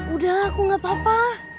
udah aku gapapa